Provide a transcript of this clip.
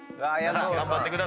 頑張ってください。